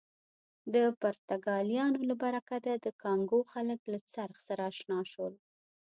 د پرتګالیانو له برکته د کانګو خلک له څرخ سره اشنا شول.